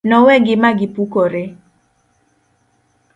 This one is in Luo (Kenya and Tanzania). nowegi magipukore